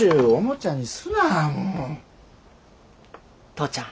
父ちゃん。